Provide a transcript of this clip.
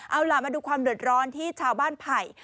เอาล่ะมาดูความเดือดร้อนที่ชาวบ้านไผ่